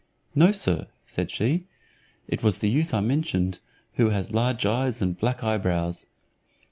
"No, sir," said she, "it was the youth I mentioned, who has large eyes and black eyebrows."